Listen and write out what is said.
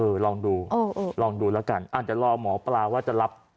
ลองดูลองดูแล้วกันอาจจะรอหมอปลาว่าจะรับ